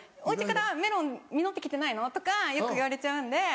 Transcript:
お家からメロン実って来てないの？」とかよく言われちゃうんで。